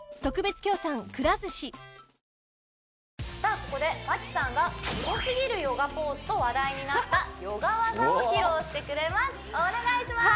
ここで麻希さんがすごすぎるヨガポーズと話題になったヨガ技を披露してくれますお願いします！